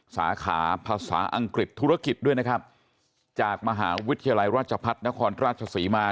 สาขาภาษาอังกฤษธุรกิจด้วยนะครับจากมหาวิทยาลัยราชพัฒนครราชศรีมา